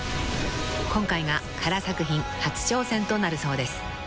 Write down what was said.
［今回が唐作品初挑戦となるそうです］